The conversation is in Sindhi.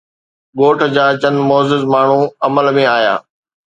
ڳوٺ جا چند معزز ماڻهو عمل ۾ آيا.